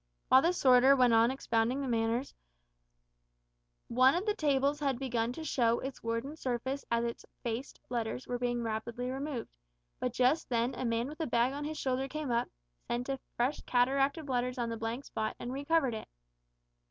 While the sorter went on expounding matters, one of the tables had begun to show its wooden surface as its "faced" letters were being rapidly removed, but just then a man with a bag on his shoulder came up, sent a fresh cataract of letters on the blank spot, and re covered it.